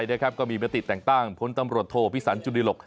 ประเทศไทยนะครับก็มีเมตติแต่งตั้งพลตำรวจโทษภิกษัณฑ์จุฏิหลก